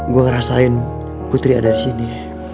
gua ngerasain putri ada disini